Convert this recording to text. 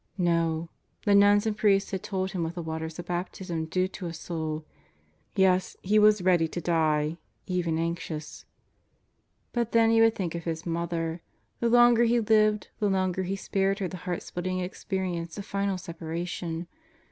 No. The nuns and priests had told him what the waters of baptism do to a soul. Yes, he was ready to die even anxious. But then he would think of his mother. The longer he lived, the longer he spared her the heart splitting experience of final separation.